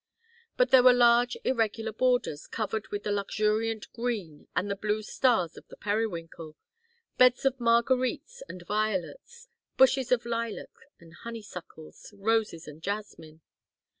And there were large irregular borders covered with the luxuriant green and the blue stars of the periwinkle, beds of marguerites and violets, bushes of lilac and honeysuckles, roses and jasmine.